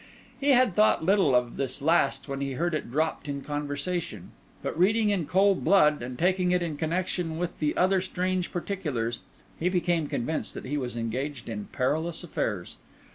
He had thought little of this last when he heard it dropped in conversation; but reading it in cold blood, and taking it in connection with the other strange particulars, he became convinced that he was engaged in perilous affairs.